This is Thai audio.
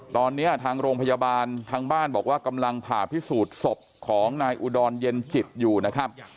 ตอนนี้ทางโรงพยาบาลทางบ้านบอกว่ากำลังผ่าพิสูจน์ศพของนายอุดรเย็นจิตอยู่นะครับ